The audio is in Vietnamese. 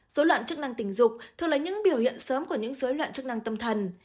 dối loạn chức năng tình dục thường là những biểu hiện sớm của những dối loạn chức năng tâm thần